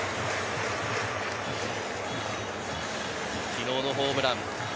昨日のホームラン。